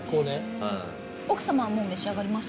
はい奥様はもう召し上がりましたか？